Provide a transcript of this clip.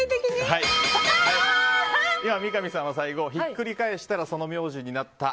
今、三上さんはひっくり返したらその名字になった。